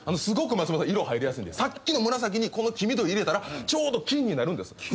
すごく松本さん色入りやすいんでさっきの紫にこの黄緑入れたらちょうど金になるんです」